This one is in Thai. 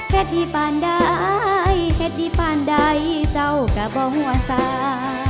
เห็ดที่ป่านได้เห็ดที่ป่านได้เจ้ากะบ่หัวสา